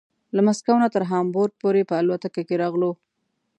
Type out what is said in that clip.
له مسکو نه تر هامبورګ پورې په الوتکه کې راغلو.